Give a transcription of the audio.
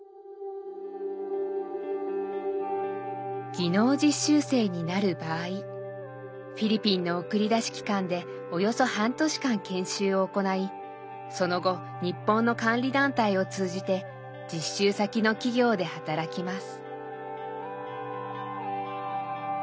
技能実習生になる場合フィリピンの送り出し機関でおよそ半年間研修を行いその後日本の監理団体を通じて実習先の企業で働きます。